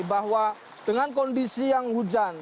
bahwa dengan kondisi yang hujan